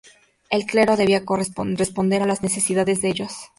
El clero debía responder a las necesidades de ellos.